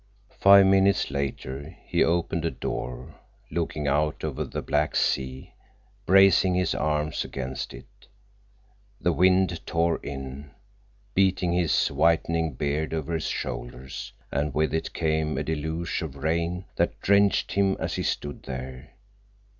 Five minutes later he opened a door looking out over the black sea, bracing his arm against it. The wind tore in, beating his whitening beard over his shoulders, and with it came a deluge of rain that drenched him as he stood there.